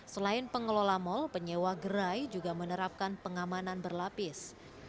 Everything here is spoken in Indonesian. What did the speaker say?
selain pengelola mall penyewa gerai juga menerapkan pengamanan berlapis